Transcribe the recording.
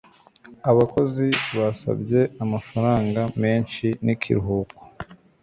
abakozi basabye amafaranga menshi nikiruhuko